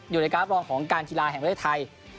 อยู่ในการรับรองของการกีฬาแห่งประเทศไทย